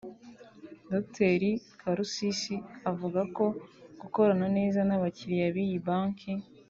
Dr Karusisi avuga ko gukorana neza n’abakiriya b’iyi Banki